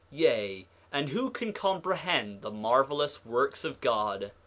Yea, and who can comprehend the marvelous works of God?